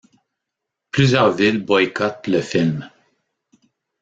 Plusieurs villes boycottent le film.